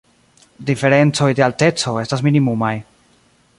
Diferencoj de alteco estas minimumaj.